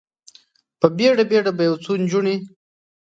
په بیړه، بیړه به یو څو نجونې،